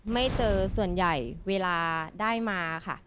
ไม่เจอส่วนใหญ่เวลาได้มาค่ะ